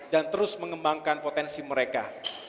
dan terus mengembangkan potensi mereka